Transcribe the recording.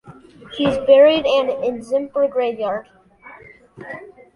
He was buried in Azimpur Graveyard.